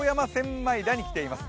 枚田に来ています。